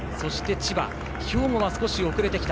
兵庫は少し遅れてきた。